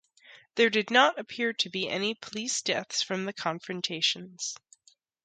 There did not appear to be any police deaths from the confrontations.